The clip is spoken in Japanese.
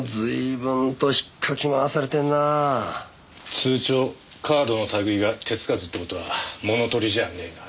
通帳カードのたぐいが手つかずって事は物盗りじゃねえな。